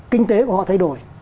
kinh tế của họ thay đổi